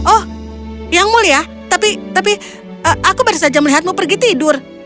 oh yang mulia tapi aku baru saja melihatmu pergi tidur